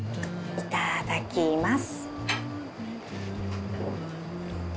いただきます。